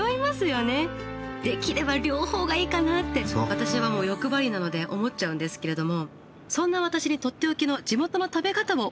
私はもう欲張りなので思っちゃうんですけれどもそんな私にとっておきの地元の食べ方を教えて下さいました。